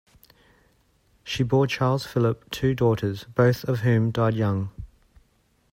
She bore Charles Philip two daughters, both of whom died young.